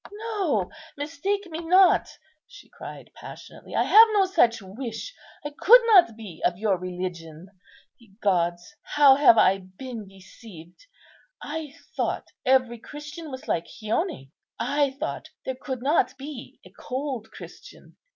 "No, mistake me not," she cried passionately, "I have no such wish. I could not be of your religion. Ye Gods! how have I been deceived! I thought every Christian was like Chione. I thought there could not be a cold Christian.